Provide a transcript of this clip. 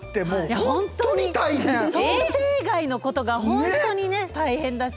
想定外のことが本当にね大変だし。